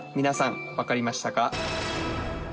皆さん分かりましたか？